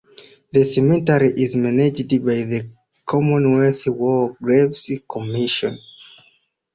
The cemetery is managed by the Commonwealth War Graves Commission.